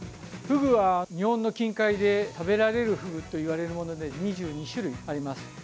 フグは、日本の近海で食べられるフグといわれるもので２２種類あります。